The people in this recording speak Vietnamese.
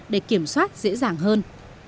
để kiểm soát dễ dàng hơn